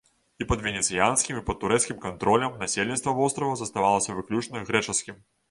І пад венецыянскім і пад турэцкім кантролем насельніцтва вострава заставалася выключна грэчаскім.